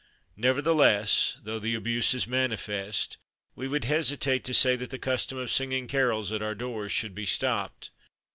Nevertheless, though the abuse is manifest, we would hesitate to say that the custom of singing carols at our doors should be stopped.